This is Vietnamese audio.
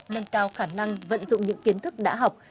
nâng cao khả năng vận dụng những kiến thức đã học